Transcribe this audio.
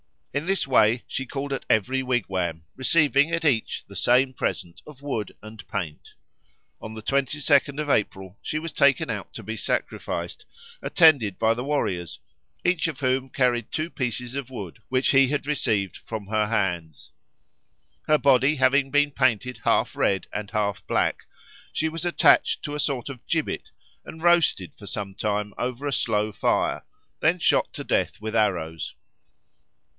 In this way she called at every wigwam, receiving at each the same present of wood and paint. On the twenty second of April she was taken out to be sacrificed, attended by the warriors, each of whom carried two pieces of wood which he had received from her hands. Her body having been painted half red and half black, she was attached to a sort of gibbet and roasted for some time over a slow fire, then shot to death with arrows.